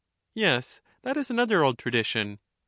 Yes, that is another old tradition.